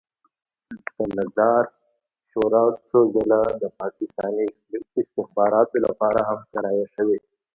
د نظار شورا څو ځله د پاکستاني استخباراتو لپاره هم کرایه شوې.